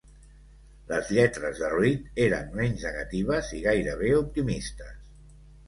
Les lletres de Reed eren menys negatives i gairebé optimistes.